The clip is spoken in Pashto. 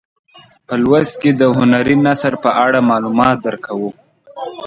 په لوست کې د هنري نثر په اړه معلومات درکوو.